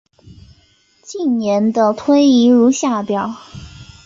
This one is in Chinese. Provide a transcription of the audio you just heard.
近年的推移如下表。